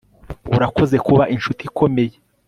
urakoze kuba inshuti ikomeye